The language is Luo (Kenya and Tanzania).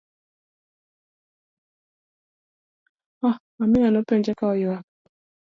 Amina nene openje ka oywak